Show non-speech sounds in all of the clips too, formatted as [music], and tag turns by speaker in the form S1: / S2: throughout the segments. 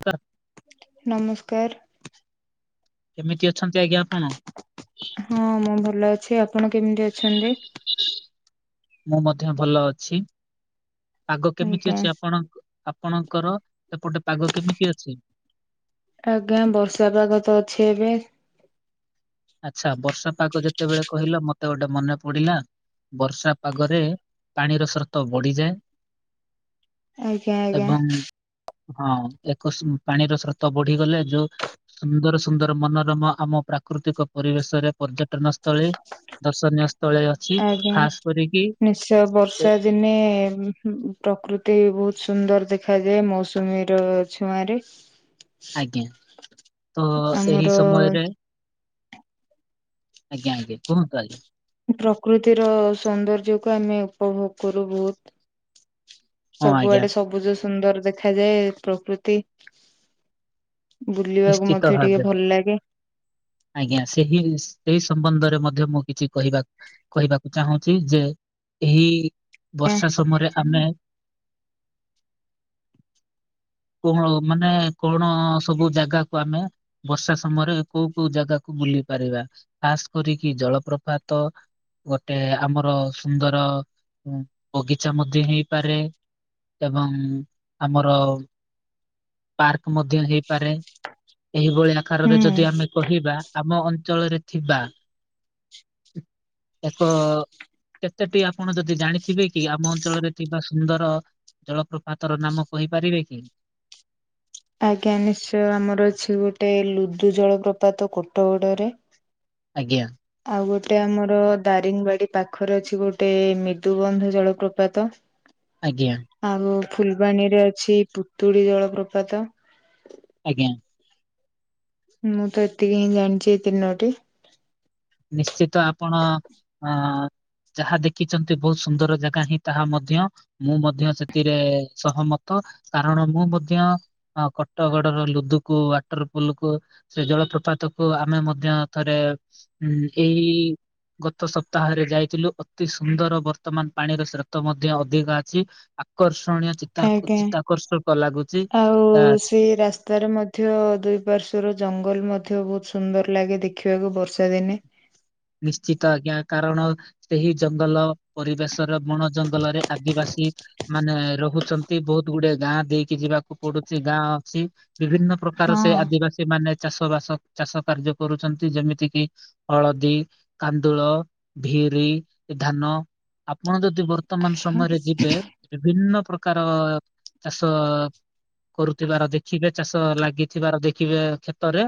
S1: ହ [inaudible]
S2: ନମସ୍କାର।
S1: କେମିତି ଅଛନ୍ତି ଆଜ୍ଞା ଆପଣ?
S2: ହଁ ମୁଁ ଭଲ ଅଛି। ଆପଣ କେମିତି ଅଛନ୍ତି?
S1: ମୁଁ ମଧ୍ୟ ଭଲ ଅଛି। ଆଗ କେମିତି
S2: ଆଜ୍ଞା
S1: ଅଛି ଆପଣ ଆପଣଙ୍କର ଏପଟେ ପାଗ କେମିତି ଅଛି?
S2: ଆଜ୍ଞା, ବର୍ଷା ପାଗ ତ ଅଛି ଏବେ।
S1: ଆଚ୍ଛା! ବର୍ଷା ପାାଗ ଯେତେବେଳେ କହିଲ ମତେ ଗୋଟେ ମନେ ପଡିଲା। ବର୍ଷା ପାଗରେ ପାଣିର ସ୍ରତ ବଢିଯାଏ।
S2: ଆଜ୍ଞା ଆଜ୍ଞା
S1: ଏବଂ ହଁ, ଏକଶ୍ମ ପାଣିର ସ୍ରୋତ ବଢିଗଲେ ଯୋ ସୁନ୍ଦର ସୁନ୍ଦର ମନୋରମ ଆମ ପ୍ରାକୃତିକ ପରିବେଶରେ ପର୍ଯ୍ୟଟନ ସ୍ଥଳୀ, ଦର୍ଶନୀୟ ସ୍ଥଳୀ ଅଛି। ଖାସ୍ କରିକି
S2: ସେ ବର୍ଷା ଦିନେ ପ୍ରକୃତି ବହୁତ ସୁନ୍ଦର ଦେଖାଯାଏ। ମୌସୁମୀର ଛୁଆଁରେ
S1: ଆଜ୍ଞା। ତ
S2: ଆମର
S1: ଏହି ସମୟରେ ଆଜ୍ଞା, ଆଜ୍ଞେ କହନ୍ତୁ ଆଗେ।
S2: ପ୍ରକୃତିର ସୌନ୍ଦର୍ଯ୍ୟକୁ ଆମେ ଉପଭୋଗ କରୁ ବହୁତ୍।
S1: ହଁ ଆଜ୍ଞା
S2: ସବୁଆଡେ ସବୁଜ ସୁନ୍ଦର ଦେଖାଯାଏ ପ୍ରକୃତି। ବୁଲିବାକୁ
S1: ନିଶ୍ଚିତ
S2: ମଧ୍ୟ
S1: ଭାବେ।
S2: ଟିକେ ଭଲ ଲାଗେ।
S1: ଆଜ୍ଞା, ସେହି ସେଇ ସମ୍ବନ୍ଧରେ ମଧ୍ୟ ମୁଁ କିଛି କହିବା କହିବାକୁ ଚାହୁଁଛି ଯେ ଏହି ବର୍ଷା ସମୟରେ ଆମେ କଣ ମାନେ କଣ ସବୁ ଜାଗାକୁ ଆମେ, ବର୍ଷା ସମୟରେ କୋଉ କଉ ଜାଗାକୁ ବୁଲି ପାରିବା? ଖାସ୍ କରିକି ଜଳପ୍ରପାତ ଗୋଟେ ଆମର ସୁନ୍ଦର ଉଁ ବଗିଚା ମଧ୍ୟ ହେଇପାରେ। ଏବଂ ଆମର ପାର୍କ ମଧ୍ୟ ହେଇପାରେ। ଏହିଭଳି ଆକାରରେ
S2: ହୁଁ
S1: ଯଦି ଆମେ ଖିବା, ଆମ ଅଞ୍ଚଳରେ ଥିବା ଏକ-ଅ କେତେଟି ଆପଣ ଯଦି ଜାଣିଥିବେ କି, ଆମ ଅଞ୍ଚଳରେ ଥିବା ସୁନ୍ଦର ଜଳପ୍ରପାତ ର ନାମ କହିପାରିବେ କି?
S2: ଆଜ୍ଞା, ନିଶ୍ଚୟ ଆମର ଅଛି ଗୋଟେ ଲୁଦୁ ଜଳ ପ୍ରପାତ କୋଟ ଗୋଡରେ।
S1: ଆଜ୍ଞା।
S2: ଆଉ ଗୋଟେ ଆମର ଦାରିଙ୍ଗିବାଡ଼ି ପାଖରେ ଅଛି ଗୋଟେ-ଏ ମ୍ରିଦୁବନ୍ଧ ଜଳପ୍ରପାତ।
S1: ଆଜ୍ଞା।
S2: ଆଉ ଫୁଲ୍ ବାଣୀରେ ଅଛି ପୁତୁଳି ଜଳପ୍ରପାତ।
S1: ଆଜ୍ଞା।
S2: ମୁଁ ତ ଏତିକି ହିଁ ଜାଣିଚି ଏଇ ତିନୋଟି।
S1: ନିଶ୍ଚିତ ଆପଣ ଅଁ ଯାହା ଦେଖିଛନ୍ତି ବହୁତ ସୁନ୍ଦର ଜାଗା ହିଁ ତାହା ମଧ୍ୟ ମୁଁ ମଧ୍ୟ ସେଥିରେ ସହମତ, କାରଣ ମୁଁ ମଧ୍ୟ ହଁ, କଟଗଡର ଲୁଦୁକୁ ୱାଟର୍ ପୁଲୁକୁ ସେ ଜଳପ୍ରପାତ କୁ ଆମେ ମଧ୍ୟ ଥରେ ଉଁ ଏଇ-ଇ ଗତ ସପ୍ତାହରେ ଯାଇଥିଲୁ, ଅତି ସୁନ୍ଦର ବର୍ତ୍ତମାନ ପାଣିର ସ୍ରୋତ ମଧ୍ୟ ଅଧିକ ଅଛି। ଆ ଆକର୍ଷଣୀୟ ଚିତ୍ତା
S2: ଆଜ୍ଞା।
S1: ଚିତ୍ତାକର୍ଷକ ଲାଗୁଚି।
S2: ଆଉ
S1: ଆ
S2: ସେଇ ରାସ୍ତାରେ ମଧ୍ୟ ଦୁଇ ପାର୍ଶ୍ଵର ଜଙ୍ଗଲ ମଧ୍ୟ ବହୁତ୍ ସୁନ୍ଦର ଲାଗେ ଦେଖିବାକୁ ବର୍ଷା ଦିନେ।
S1: ନିଶ୍ଚିତ ଆଜ୍ଞା କାରଣ, ସେହି ଜଙ୍ଗଲ ପରିବେଶର ବଣ ଜଙ୍ଗଲରେ ଆଦିବାସୀ ମାନେ ରହୁଛନ୍ତି ବହୁତ ଗୁଡେ ଗାଁ ଦେଇକି ଯିବା ପଡୁଛି। ଗାଁ ଅଛି ବିଭିନ୍ନ ପ୍ରକାର
S2: ହଁ
S1: ସେ ଆଦିବାସୀ ସେମାନେ ଚାଷ ବାସ ଚାଷ କାର୍ଯ୍ୟ କରୁଛନ୍ତି, ଯେମିତି କିି ହଳଦୀ କାନ୍ଦୁଳ, ଭିରି, ଧାନ ଆପଣ ଯଦି ବର୍ତ୍ତମାନ ସମୟରେ ଯିବେ, ବିଭିନ୍ନ ପ୍ରକାର ଚାଷ କରୁଥିବାର ଦେଖିବେ ଚାଷ ଲାଗିଥିବାର ଦେଖିବେ କ୍ଷେତରେ।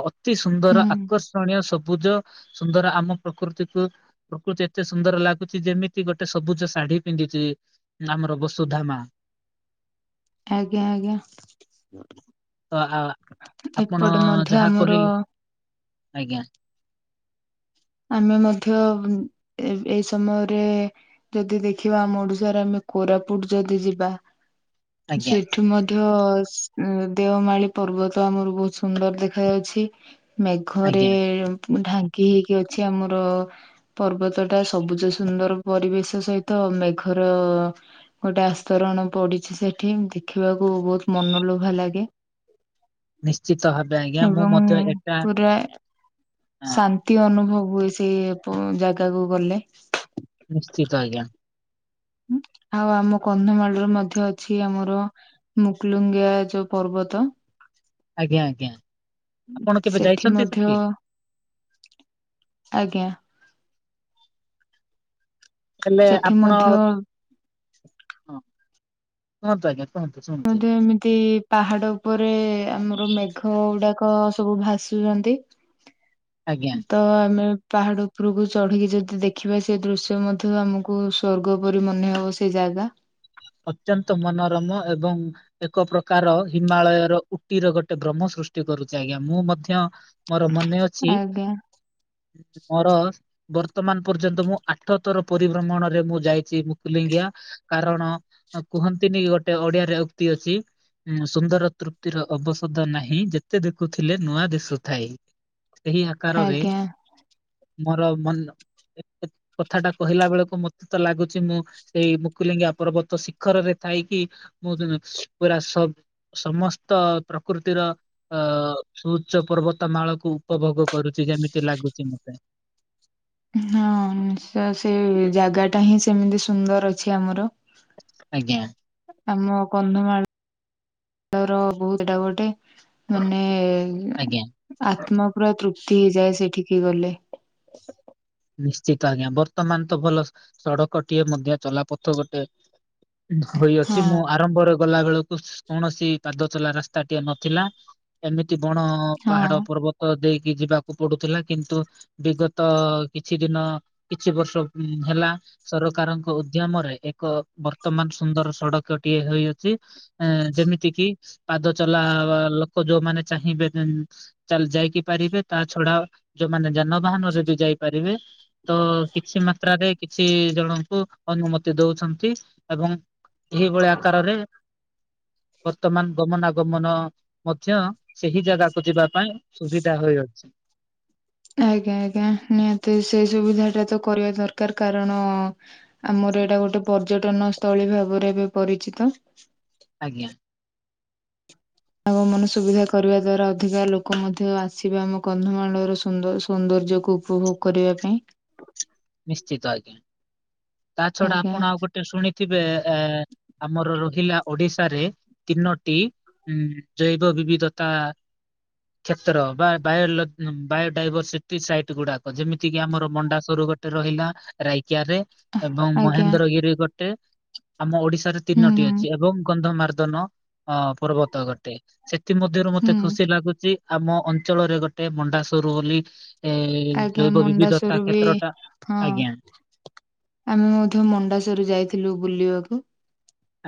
S1: ଆଉ ଅତି ସୁନ୍ଦର
S2: ହୁଁ
S1: ଆକର୍ଷଣୀୟ ସବୁଜ ସୁନ୍ଦର ଆମ ପ୍ରକୃତିକୁ ପ୍ରକୃତି ଏତେ ସୁନ୍ଦର ଲାଗୁଛି ଯେମିତି ଗୋଟେ ସବୁଜ ଶାଢୀ ପିନ୍ଧିଛି ଆମର ବସୁଧା ମା।
S2: ଆଜ୍ଞା ଆଜ୍ଞା।
S1: ତ ଆ-ଆପଣ
S2: ଏପଟେ ମଧ୍ୟ
S1: ଯାହା
S2: ଆମର
S1: କହିଲେ।
S2: ଆମେ ମଧ୍ୟ ଏଇ-ଏଇ ସମୟରେ ଯଦି ଦେଖିବା ଆମ ଓଡିଶାରେ ଆମେ କୋରାପୁଟ ଯଦି ଯିବା
S1: ଆଜ୍ଞା
S2: ସେଇଠି ମଧ୍ୟ ଦେଓମାଳି ପର୍ବତ ଆମର ବହୁତ ସୁନ୍ଦର ଦେଖା ଯାଉଛି। ମେଘରେ
S1: ଆଜ୍ଞା
S2: ଢାଙ୍କି ହେଇକି ଅଛି ଆମର। ପର୍ବତଟା ସବୁଜ ସୁନ୍ଦର ପରିବେଶ ସହିତ ମେଘର ଗୋଟେ ଆସ୍ତରଣ ପଡିଛି ସେଠି ଦେଖିବାକୁ ବହୁତ ମନ ଲୋଭା ଲାଗେ।
S1: ନିଶ୍ଚିତ ଭାବେ ଆଜ୍ଞା ମୁଁ
S2: ଏବଂ
S1: ମଧ୍ୟ ଏଟା
S2: ପୁରା
S1: ହଁ,
S2: ଶାନ୍ତ୍ ନ୍ତି ଅନୁଭବ ହୁଏ, ସେ ଆପଣ ଜାଗାକୁ ଗଲେ।
S1: ନିଶ୍ଚିତ ଆଜ୍ଞା।
S2: ଆଉ ଆମ କନ୍ଧମାଳରେ ମଧ୍ୟ ଅଛି ଆମର ମୁକୁଲୁଙ୍ଗିଆ ଯୋଉ ପର୍ବତ।
S1: ଆଜ୍ଞା ଆଜ୍ଞା। ଆପଣ କେବେ
S2: ସେଠି
S1: ଯାଇଛନ୍ତି
S2: ମଧ୍ୟ
S1: ସେଠି?
S2: ଆଜ୍ଞା।
S1: ହେଲେ
S2: ସେଠି
S1: ଆପଣ।
S2: ମଧ୍ୟ
S1: ହଁ। କୁହନ୍ତୁ ଆଜ୍ଞା। କୁହନ୍ତୁ
S2: ମୁଁ
S1: ଶୁଣୁଛି
S2: ତ ଏମିତି ପାହାଡ ଉପରେ ଆମର ମେଘ ଗୁଡାକ ସବୁ ଭାସୁଛନ୍ତି।
S1: ଆଜ୍ଞା।
S2: ତ ଆମେ ପାହାଡ଼ ଉପରକୁ ଚଢ଼ିକି ଯଦି ଦେଖିବା ସେ ଦୃଶ୍ୟ ମଧ୍ୟ ଆମକୁ ସ୍ୱର୍ଗ ପରି ମନେ ହେବ। ସେ ଜାଗା
S1: ଅତ୍ୟନ୍ତ ମନୋରମ ଏବଂ ଏକ ପ୍ରକାର ହିମାଳୟର ଉଟିର ଗୋଟେ ଭ୍ରମ ସୃଷ୍ଟି କରୁଛି ଆଜ୍ଞା। ମୁଁ ମଧ୍ୟ ମୋର ମନେ ଅଛି।
S2: [inaudible]
S1: ମୋର ବର୍ତ୍ତମାନ ପର୍ଯ୍ୟନ୍ତ ମୁଁ ଆଠଥର ପରିଭ୍ରମଣରେ ମୁଁ ଯାଇଛି ମୁକୁଲିଙ୍ଗିଆ। କାରଣ ଆଉ କୁହନ୍ତି ନି ଗୋଟେ ଓଡିଆରେ ଉକ୍ତି ଅଛି। ଉଁ ସୁନ୍ଦର ତୃପ୍ତିର ଅବସଦ ନାହିଁ ଯେତେ ଦେଖୁଥିଲେ ନୂଆ ଦିଶୁଥାଇ। ଏହି ଆକାରରେ
S2: ଆଜ୍ଞା
S1: ମୋର ମନ ଏ କଥାଟା କହିଲା ବେଳକୁ ମତେ ତ ଲାଗୁଛି, ମୁଁ ସେଇ ମୁକୁଲିଙ୍ଗିଆ ପର୍ବତ ତ ଶିଖରରେ ଥାଇକି ମୁଁ ପୁରା ସବ୍ ସମସ୍ତ ପ୍ରକୃତିର ଅ ଉଚ୍ଚ ପର୍ବତ ମାଳକୁ ଉପଭୋଗ କରୁଛି ଯେମିତି ଲାଗୁଛି ମତେ।
S2: ହଁ ନିଶ୍ଚୟ। ସେ ଜାଗାଟା ହିଁ ସେମିତି ସୁନ୍ଦର ଅଛି ଆମର।
S1: ଆଜ୍ଞା।
S2: ଆମ କନ୍ଦମାଳ ର ବହୁତଟା ଗୋଟେ ମାନେ
S1: ଆଜ୍ଞା
S2: ଆତ୍ମା ପୁରା ତୃପ୍ତି ହେଇଯାଏ ସେଠିକି ଗଲେ।
S1: ନିଶ୍ଚିତ ଆଜ୍ଞା ବର୍ତ୍ତମାନ ତ ଭଲ ସଡକଟିଏ ମଧ୍ୟ ଚଲାପଥ ଗୋଟେ ଧୋଇଅଛି
S2: ହଁ
S1: ମୁଁ ଆରମ୍ଭରେ ଗଲା ବେଳକୁ କୌଣସି ପାଦ ଚଲା ରାସ୍ତାଟିଏ ନଥିଲା। ଏମିତି ବଣ
S2: ହଁ
S1: ପାହାଡ ପର୍ବତ ତ ଦେଇକି ଯିବାକୁ ପଡୁଥିଲା। କିନ୍ତୁ ଦିଗତ କିଛି ଦିନ କିଛି ବର୍ଷ ହେଲା ସରକାରଙ୍କ ଉଦ୍ୟମରେ ଏକ ବର୍ତ୍ତମାନ ସୁନ୍ଦର ସଡ଼କଟିଏ ହୋଇଅଛି। ଉଁ ଯେମିତି କିି ପାଦ ଚଲା ଲୋକ ଯୋଉମାନେ ଚାହିଁବେ ଚାଲି ଯାଇକି ପାରିବେ ତା ଛଡା ଯୋଉମାନେ ଯାନବାହାନ ରେ ବି ଯାଇ ପାରିବେ। ତ କିଛି ମାତ୍ରାରେ କିଛି ଜଣଙ୍କୁ ଅନୁମତି ଦଉଛନ୍ତି ଏବଂ ଏହିଭଳିଆ ଆକାରରେ ବର୍ତ୍ତମାନ ଗମନାଗମନ ମଧ୍ୟ ସେହି ଜାଗାକୁ ଯିବା ପାଇଁ ସୁବିଧା ହୋଇଅଛି।
S2: ଆଜ୍ଞା ଆଜ୍ଞା। ନିହାତି ସେଇ ସୁବିଧା ଟା ତ କରିବା ଦରକାର କାରଣ ଆମର ଏଇଟା ଗୋଟେ ପର୍ଯ୍ୟଟନ ସ୍ଥଳୀ ଭାବରେ ଏବେ ପରିଚିତ।
S1: ଆଜ୍ଞା।
S2: ଆଗମନ ସୁବିଧା କରିବା ଦ୍ଵାରା ଅଧିକା ଲୋକ ମଧ୍ୟ ଆସିବେ ଆମ କନ୍ଧମାଳର ସୁନ୍ଦ ସୌନ୍ଦର୍ଯ୍ୟକୁ। ଉପଭୋଗ କରିବା ପାଇଁ।
S1: ନିଶ୍ଚିତ ଆଜ୍ଞା। ତା ଛଡା
S2: ଆଜ୍ଞା।
S1: ଆପଣ ଆଉ ଗୋଟେ ଶୁଣି ଥିବେ ଆମର ରହିଲା ଓଡିଶାରେ ତିନୋଟି ଉ ଜୈବ ବିବିଧତା କ୍ଷେତ୍ର ବା ବା ବାୟୋଡାଇଭରସିଟି ସାଇଟ୍ ଗୁଡାକ ଯେମିତି କିି ଆମର ମଣ୍ଡା ସର ରହିଲା ରାଇକିଆ ରେ ଏବଂ
S2: ଆଜ୍ଞା
S1: ମହେନ୍ଦ୍ରଗିରି ଗୋଟେ ଆମ ଓଡିଶାରେ
S2: ହୁଁ
S1: ତିନୋଟି
S2: ହୁଁ
S1: ଅଛି ଏବଂ ଗନ୍ଧମାର୍ଦ୍ଦନ ଅ ପର୍ବତ ଗୋଟେ। ସେଥି ମଧ୍ୟରୁ ମତେ
S2: ହୁଁ
S1: ଖୁସି ଲାଗୁଛି ଆମ ଅଞ୍ଚଳରେ ଗୋଟେ ମଣ୍ଡାସର ବୋଲି ଏ
S2: ଆଜ୍ଞା
S1: ଜୈବ ବିବିଧତା
S2: ମଣ୍ଡାସରୁ ବି
S1: କ୍ଷେତ୍ରଟା
S2: ହଁ
S1: ଆଜ୍ଞା
S2: ଆମେ ମଧ୍ୟ ମଣ୍ଡାସର ଯାଇଥିଲୁ ବୁଲିବାକୁ।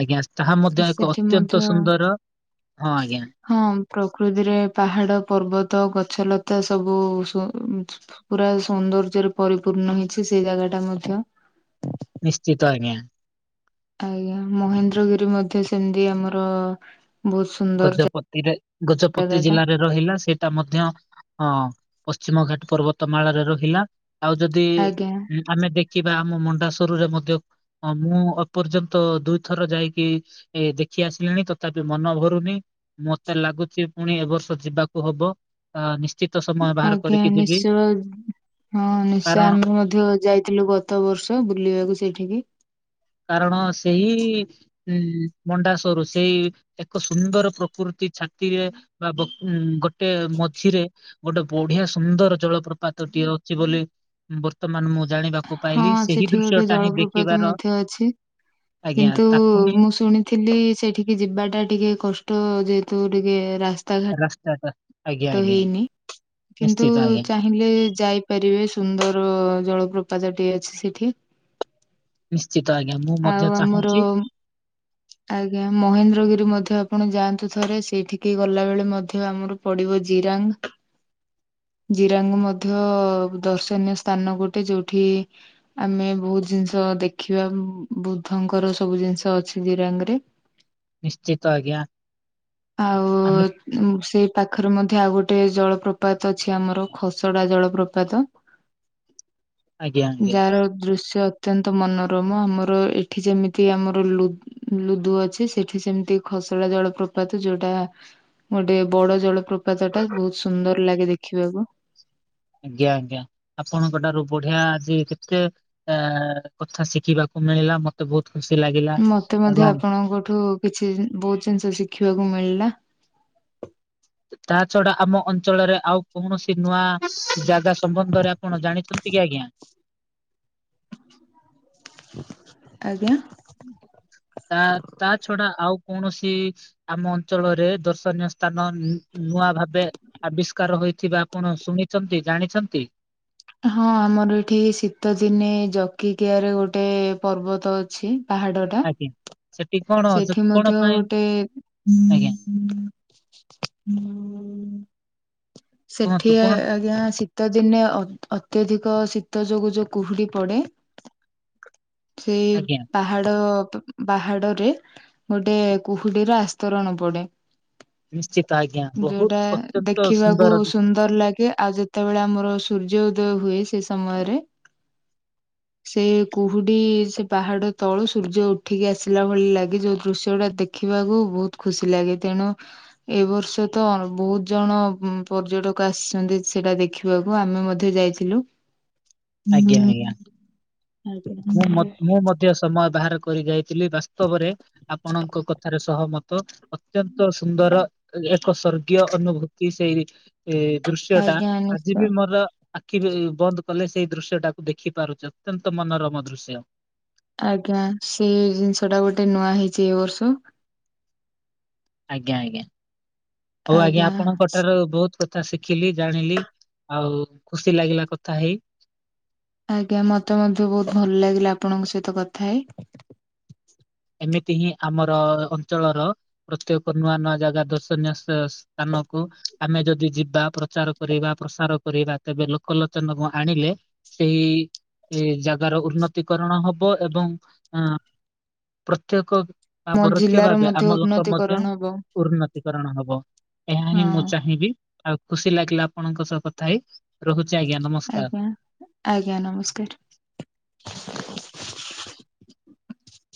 S1: ଆଜ୍ଞା ତାହା ମଧ୍ୟ ଏକ
S2: ସେଠି
S1: ଅତ୍ୟନ୍ତ
S2: ମଧ୍ୟ
S1: ସୁନ୍ଦର, ହଁ ଆଜ୍ଞା।
S2: ହଁ ପ୍ରକୃତିରେ ପାହାଡ ପର୍ବତ ଗଛଲତା ସବୁ ସୁ ପୁରା ସୌନ୍ଦର୍ଯ୍ୟରେ ପରିପୂର୍ଣ୍ଣ ହେଇଛି ସେଇ ଜାଗା ଟା ମଧ୍ୟ।
S1: ନିଶ୍ଚିତ ଆଜ୍ଞା।
S2: ଆଜ୍ଞା ମହେନ୍ଦ୍ରଗିରି ମଧ୍ୟ ସେମିତି ଆମର ବହୁତ ସୁନ୍ଦର
S1: ଗଜପତିରେ ଗଜପତି
S2: ଜାଗା ଟା
S1: ଜିଲ୍ଲାରେ ରହିଲା ସେ ଟା ମଧ୍ୟ ଅ ପଶ୍ଚିମ ଘାଟ ପର୍ବତମାଳରେ ରହିଲା। ଆଉ ଯଦି
S2: ଆଜ୍ଞା
S1: ଆମେ ଦେଖିବା ଆମ ମଣ୍ଡା ସରୁରେ ମଧ୍ୟ ହଁ ମୁଁ ଏପର୍ଯ୍ୟନ୍ତ ଦୁଇଥର ଯାଇକି ଏ ଦେଖି ଆସିଲିଣି ତଥାପି ମନଭରୁ ମତେ ଲାଗୁଚି ପୁଣି ଏବ ବର୍ଷ ଯିବାକୁ ହବ। ହଁ ନିଶ୍ଚିତ ସମୟ ବାହାର
S2: ଆଜ୍ଞା
S1: କରିକି ଯିବି।
S2: ନିଶ୍ଚୟ। ହଁ ନିଶ୍ଚୟ
S1: କାରଣ
S2: ଆମେ ମଧ୍ୟ ଯାଇଥିଲୁ ଗତ ବର୍ଷ ବୁଲିବାକୁ ସେଇଠିକି।
S1: କାରଣ ସେଇ ଉଁ ମଣ୍ଡାସରୁ ସେଇ ଏକ ସୁନ୍ଦର ପ୍ରକୃତି ଛାତିରେ ବା ବକ ଗୋଟେ ମଝିରେ ଗୋଟେ ବଢିଆ ସୁନ୍ଦର ଜଳପ୍ରପାତ ଟିଏ ଅଛି ବୋଲି ବର୍ତ୍ତମାନ ମୁଁ ଜାଣିବା କୁ
S2: ହଁ
S1: ପାଇଲି ସେହି
S2: ସେଠି
S1: ଦୃଶ୍ୟ
S2: ଗୋଟେ
S1: ଟା ହିଁ
S2: ଜଳପ୍ରପାତ
S1: ଦେଖିବାର।
S2: ମଧ୍ୟ ଅଛି
S1: ଆଜ୍ଞା
S2: କିନ୍ତୁ
S1: ତାକୁ ହିଁ
S2: ମୁଁ ଶୁଣି। ଥିଲି ସେଠିକି ଯିବାଟା ଟିକେ କଷ୍ଟ ଯେହେତୁ ଟିକେ ରାସ୍ତାଘା
S1: ରାସ୍ତା ଟା।
S2: ତ ହେଇନି କିନ୍ତୁ ଚା।
S1: ଆଜ୍ଞା
S2: ଚାହିଁଲେ ଯାଇପାରିବେ ସୁନ୍ଦର ଜଳପ୍ରପାତ ଟିଏ ଅଛି ସେଠି।
S1: ନିଶ୍ଚିତ ଆଜ୍ଞା ମୁଁ
S2: ଆଉ
S1: ମଧ୍ୟ
S2: ଆମର
S1: ଚାହୁଁଚି।
S2: ଆଜ୍ଞା ମହେନ୍ଦ୍ରଗିରି ମଧ୍ୟ ଆପଣ ଯାଆନ୍ତୁ ଥରେ ସେଇଠିକି ଗଲାବେେଳେ ମଧ୍ୟ ଆମର। ପଡିବ ଜିରାଙ୍ଗ। ଜିରାଙ୍ଗ ମଧ୍ୟ ଦର୍ଶନୀୟ ସ୍ଥାନ ଗୋଟେ ଯୋଉଠି। ଆମେ ବହୁତୁ ଜିନିଷ ଦେଖିବା ବୃଦ୍ଧଙ୍କର ସବୁ ଜିନିଷ ଅଛି। ଜିରାଙ୍ଗରେ
S1: ନିଶ୍ଚିତ ଆଜ୍ଞା
S2: ଆଉ।
S1: ଆମେ
S2: ମୁଁ ସେଇ ପାଖରେ ମଧ୍ୟ ଆଉ ଗୋଟେ ଜଳପ୍ରପାତ ଅଛି ଆମର ଖସଡା ଜଳପ୍ରପାତ।
S1: ଆଜ୍ଞା ଆଜ୍ଞା।
S2: [unintelligible] ଯାହାର ଦୃଶ୍ୟ ଅତ୍ୟନ୍ତ ମନୋରମ ଆମର ଏଠି ଯେମିତି ଆମର ଲୁ। ଲୁଦୁ ଅଛି ସେଠି ସେମିତି ଖସଡ଼ା ଜଳ ପ୍ରପାତ ଯୋଉଟା। ଗୋଟେ ବଡ ଜଳପ୍ରପାତ ଟା ବହୁତ ସୁନ୍ଦର ଲାଗେ ଦେଖିବାକୁ।
S1: ଆଜ୍ଞା, ଆଜ୍ଞା ଆପଣଙ୍କ ଠାରୁ ବଢିଆ ଆଜି କେତେ। ଆ କଥା ଶିଖିବାକୁ ମିଳିଲା ମ ମତେ ବହୁତୁ ଖୁସି ଲାଗିଲା।
S2: ମତେ ମଧ୍ୟ
S1: ଏବଂ
S2: ଆପଣଙ୍କଠୁ କିଛି ବହୁତୁ ଜିନିଷ ଶିଖିବାକୁ ମିଳିଲା।
S1: ତା ଛଡା ଆମ ଅଞ୍ଚଳରେ ଆଉ କୌଣସି ନୂଆ ଜାଗା ସମ୍ବନ୍ଧରେ ଆପଣ ଜାଣିଚନ୍ତି କି ଆଜ୍ଞା।
S2: [unintelligible] ଆଜ୍ଞା। [unintelligible]
S1: ତା ତା ଛଡା ଆଉ କୌଣସି। ଆମ ଅଞ୍ଚଳରେ ଦର୍ଶନୀୟ ସ୍ଥାନ ନୂ ନୂଆ ଭାବେ। ଆବିଷ୍କାର ହୋଇଥିବା ଆପଣ ଶୁଣିଚନ୍ତି, ଜାଣିଚନ୍ତି।
S2: ହଁ ଆମର ଏଠି ଶୀତଦିନେ ଜକିକିଆ ରେ ଗୋଟେ ପର୍ବତ ଅଛି ପାହାଡ। ଟା
S1: ଆଜ୍ଞା। ସେଠି କଣ
S2: ସେଠି
S1: କଣ
S2: ମଧ୍ୟ
S1: ପାଇଁ
S2: ଗୋଟେ।
S1: ଆଜ୍ଞା
S2: ହୁଁ
S1: କୁହନ୍ତୁ
S2: ସେଠି
S1: କୁହନ୍ତୁ
S2: ଆଜ୍ଞା ଶୀ। ଶୀତ ଦିନେ ଅ ଅତ୍ୟଧିକ ଶୀତ ଯୋଗୁ ଯୋଉ କୁହୁଡି ପଡେ। ଖି ପା।
S1: ଆଜ୍ଞା।
S2: ପାହାଡ଼, ପାହାଡ଼ ରେ ଗୋଟେ କୁହୁଡିର ଆସ୍ତରଣ ପଡେ।
S1: ନିଶ୍ଚିତ ଆଜ୍ଞା ବହୁତ
S2: ଯୋଉଟା
S1: ଅତ୍ୟନ୍ତ
S2: ଦେଖିବାକୁ
S1: ସୁନ୍ଦର
S2: ସୁ। ସୁନ୍ଦର ଲାଗେ ଆଉ ଯେତେବେଳେ ଆମର ସୂର୍ଯ୍ୟ ଉଦୟ ହୁଏ ସେ ସମୟରେ। ସେ କୁହୁଡି ସେ ପାହାଡ ତଳୁ ସୂର୍ଯ୍ୟ ଉଠିକି ଆସିଲା ଭଳି ଲାଗେ ଯୋଉ ଦୃଶ୍ୟ ଟା ଦେ। ଦେଖିବାକୁ ବହୁତୁ ଖୁସି ଲାଗେ ତେଣୁ। ଏ ବର୍ଷ ତ ବହୁତୁ ଜଣ ପର୍ଯ୍ୟଟକ ଆସିଚନ୍ତି ସେଟା ଦେଖିବାକୁ ଆମେ ମଧ୍ୟ ଯାଇ। ଥିଲୁ।
S1: ଆଜ୍ଞା, ଆଜ୍ଞା।
S2: ଆଜ୍ଞା
S1: ମୁଁ, ମୁଁ ମଧ୍ୟ ସମୟ ବାହାର କରି ଯାଇଥିଲି ବାସ୍ତବରେ। ଆପଣଙ୍କ କଥାରେ ସହମତ। ଅତ୍ୟନ୍ତ ସୁନ୍ଦର ଏକ ସ୍ଵର୍ଗୀୟ ଅନୁଭୂତି ସେହି। ଏ ଦୃଶ୍ୟ ଟା
S2: ଆଜ୍ଞା
S1: ଆଜି
S2: ନିଶ୍ଚୟ।
S1: ବି ମୋର। ଆଖି ବନ୍ଦ କଲେ ସେଇ ଦୃଶ୍ୟ ଟାକୁ ଦେଖି ପାରୁଛି ଅତ୍ୟନ୍ତ ମନୋରମ ଦୃଶ୍ୟ।
S2: ଆଜ୍ଞା, ସେ ଜିନିଷ ଟା ଗୋଟେ ନୂଆ ହେଇଛି ଏ ବର୍ଷ।
S1: ଆଜ୍ଞା, ଆଜ୍ଞା, ହଉ ଆଜ୍ଞା ଆପଣଙ୍କଠାରୁ ବହୁତ୍ କଥା କଥା ଶିଖିଲି, ଜାଣିଲି ଆଉ ଖୁସି ଲାଗିଲା କଥା ହେଇ।
S2: ଆଜ୍ଞା ମତେ ମଧ୍ୟ ବହୁତ ଭଲ ଲାଗିଲା ଆପଣଙ୍କ ସହିତ କଥା ହେଇ।
S1: ଏମିତି ହିଁ ଆମର ଅଞ୍ଚଳର ପ୍ରତ୍ୟେକ ନୂଆ ନୂଆ ଜାଗା ଦର୍ଶନୀୟ ସ୍ଥାନକୁ ଆମେ ଯଦି ଯିବା ପ୍ରଚାର କରିବା, ପ୍ରସାର କରିବା ତେବେ ଲୋକଲୋଚନକୁ ଆଣିଲେ ସେହି ଏ ଜାଗାର ଉନ୍ନତିକରଣ ହବ ଏବଂ ଅ ପ୍ରତ୍ୟେକ ବା
S2: ମୋ
S1: ପରୋକ୍ଷ
S2: ଜିଲ୍ଲାର
S1: ଭାବେ
S2: ମଧ୍ୟ
S1: ଆମ ଲୋକ ମଧ୍ୟ
S2: ଉନ୍ନତିକରଣ ହବ
S1: ଉନ୍ନତି କରଣ ହବ। ଏହା
S2: ହଁ
S1: ହିଁ ମୁଁ ଚାହିଁବି ଆଉ ଖୁସି ଲାଗିଲା ଆପଣଙ୍କ ସହ କଥା ହେଇ ରହୁଛି ଆଜ୍ଞା, ନମସ୍କାର୍।
S2: ଆଜ୍ଞା ଆଜ୍ଞା, ନମସ୍କାର୍।